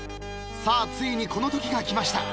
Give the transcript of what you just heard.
さあついにこのときが来ました。